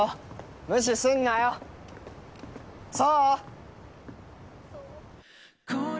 無視すんなよ、想！